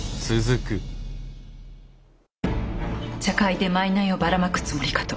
茶会で賄をばらまくつもりかと。